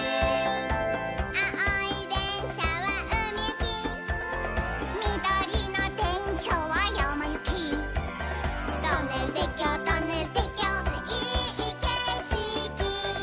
「あおいでんしゃはうみゆき」「みどりのでんしゃはやまゆき」「トンネルてっきょうトンネルてっきょういいけしき」